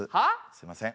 すいません。